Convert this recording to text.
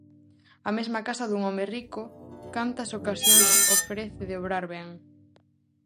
A mesma casa dun home rico, cantas ocasións ofrece de obrar ben!